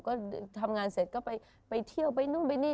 ก็ทำงานเสร็จก็ไปเที่ยวไปนู่นไปนี่